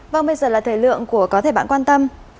vâng bây giờ là thời lượng của có thể bạn quan tâm